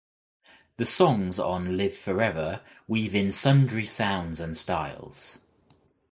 The songs on "Live Forever" weave in sundry sounds and styles.